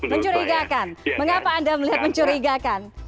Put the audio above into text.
mencurigakan mengapa anda melihat mencurigakan